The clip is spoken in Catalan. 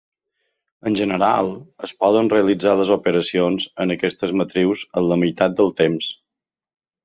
En general, es poden realitzar les operacions en aquestes matrius en la meitat de temps.